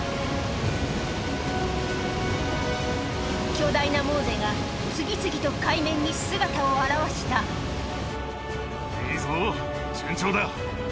巨大なモーゼが次々と海面に姿を現したいいぞ順調だ。